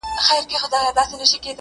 لکه منصور زه دي په خپل نامه بللی یمه!!